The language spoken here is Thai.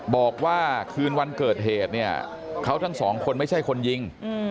บอกว่าคืนวันเกิดเหตุเนี่ยเขาทั้งสองคนไม่ใช่คนยิง